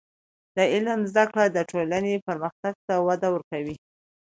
د علم زده کړه د ټولنې پرمختګ ته وده ورکوي.